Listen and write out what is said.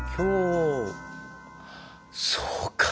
そうか